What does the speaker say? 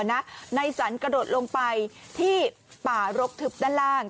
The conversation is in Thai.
นายสันกระโดดลงไปที่ป่ารกทึบด้านล่าง